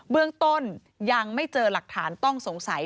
เบื้องต้นยังไม่เจอหลักฐานต้องสงสัย